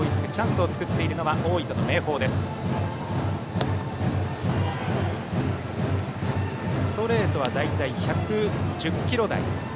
ストレートは大体１１０キロ台。